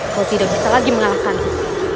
kau tidak bisa lagi mengalahkanku